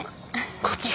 こっち？